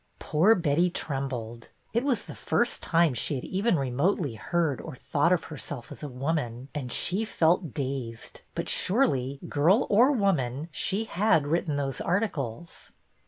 Poor Betty trembled. It was the first time she had even remotely heard or thought of herself as a woman, and she felt dazed; but surely, girl or woman, she had written those articles.